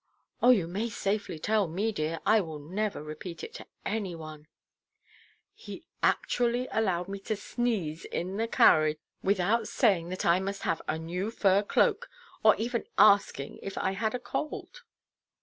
"Oh, you may safely tell me, dear. I will never repeat it to any one." "He actually allowed me to sneeze in the carriage without saying that I must have a new fur cloak, or even asking if I had a cold."